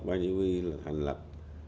ba dự huy là thành lập